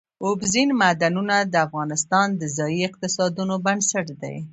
اوبزین معدنونه د افغانستان د ځایي اقتصادونو بنسټ دی.